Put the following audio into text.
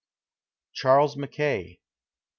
Charles Mackay.